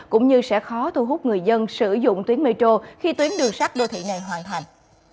cũng như sẽ khó thu hút người dân sử dụng tuyến metro khi tuyến đường sắt đô thị này hoàn thành